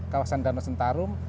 kawasan danau sentarum